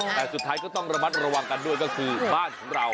แต่สุดท้ายก็ต้องระมัดระวังกันด้วยก็คือบ้านของเรา